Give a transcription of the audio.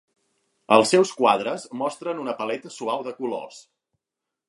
Els seus quadres mostren una paleta suau de colors.